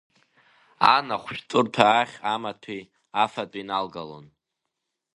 Ан ахәшәтәырҭа ахь амаҭәеи, афатәи налгалон.